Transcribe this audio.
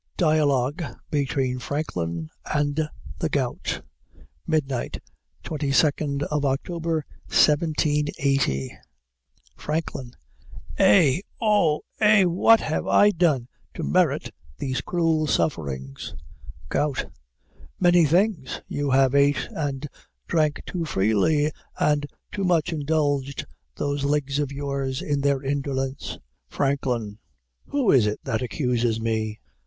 DIALOGUE BETWEEN FRANKLIN AND THE GOUT Midnight, 22 October, 1780. FRANKLIN. Eh! Oh! eh! What have I done to merit these cruel sufferings? GOUT. Many things; you have ate and drank too freely, and too much indulged those legs of yours in their indolence. FRANKLIN. Who is it that accuses me?